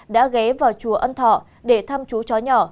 đã ghé vào chùa ân thọ để thăm chú chó nhỏ